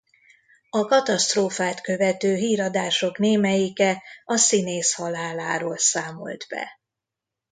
A katasztrófát követő híradások némelyike a színész haláláról számolt be.